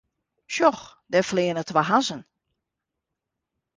Sjoch, dêr fleane twa hazzen.